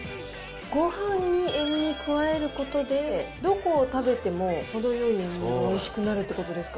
ごはんに塩味加えることで、どこを食べても程よい塩味でおいしくなるということですか。